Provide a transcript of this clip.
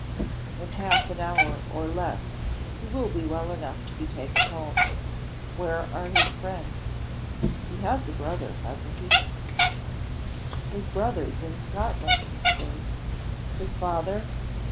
"In half an hour or less he will be well enough to be taken home. Where are his friends? He has a brother hasn't he?" "His brother's in Scotland, Sir." "His father?"